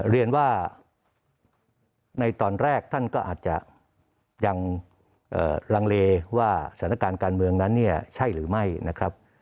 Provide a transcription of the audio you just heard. เรียนว่าในตอนแรกท่านก็อาจจะยังลังเลว่าสถานการณ์การเมืองนั้นเนี่ยใช่หรือไม่นะครับ